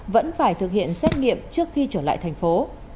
vẫn phải thực hiện xét nghiệm trước khi trở lại thành phố